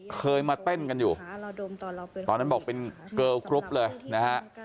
เคยมาเต้นกันอยู่ตอนนั้นบอกเป็นเกิลกรุ๊ปเลยนะฮะ